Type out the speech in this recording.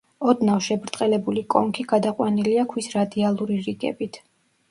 ოდნავ შებრტყელებული კონქი გადაყვანილია ქვის რადიალური რიგებით.